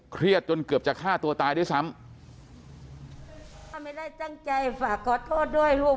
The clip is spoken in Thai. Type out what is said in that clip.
จนเกือบจะฆ่าตัวตายด้วยซ้ำถ้าไม่ได้ตั้งใจฝากขอโทษด้วยลูก